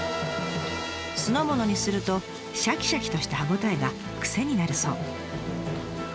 酢の物にするとシャキシャキとした歯応えが癖になるそう。